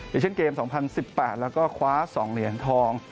อย่างเช่นเกมส์๒๐๑๘แล้วก็คว้า๒เหรียญทอง